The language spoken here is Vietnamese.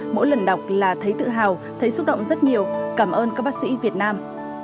mỗi lần đọc là thấy tự hào thấy xúc động rất nhiều cảm ơn các bác sĩ việt nam